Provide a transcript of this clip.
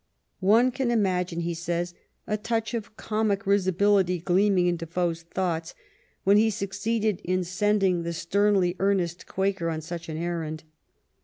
" One can imagine," he says, " a touch of comic risibility gleaming in De foe's thoughts when he succeeded in sending the stern ly earnest Quaker on such an errand."